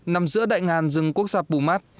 nằm giữa đại ngàn rừng quốc gia pumat